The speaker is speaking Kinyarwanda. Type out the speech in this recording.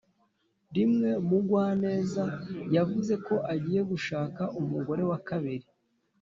rimwe mugwaneza yavuzeko agiye gushaka umugore wa kabiri,